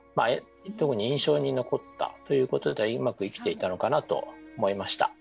特に印象に残ったということでうまく生きていたのかなと思いました。